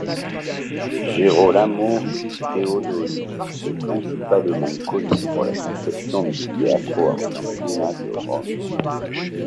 Gerolamo Theodoli est principalement connu pour la conception du Teatro Argentina de Rome.